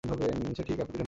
সে ঠিক আপনার পিছনে বসে আছে।